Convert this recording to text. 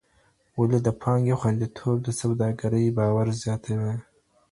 ولي د پانګې خوندیتوب د سوداګرۍ باور زیاتوي؟